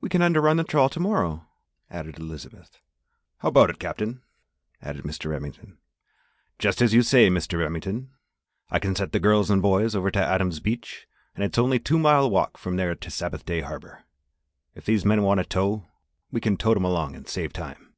"We can under run the trawl to morrow," added Elizabeth. "How about it, Captain?" asked Mr. Remington. "Just as you say, Mr. Remington. I can set the girls and boys over to Adams' Beach an' its only two mile walk from there to Sabbath Day Harbour. If these men want a tow we kin tote 'em along an' save time."